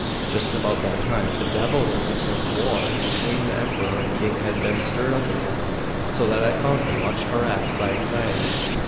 Just about that time, the devilries of war between the Emperor and King had been stirred up again, so that I found him much harassed by anxieties.